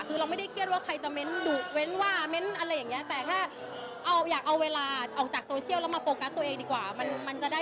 คือเรามันได้เครียดว่าไม่ได้ใครจะเม้นส์ดุ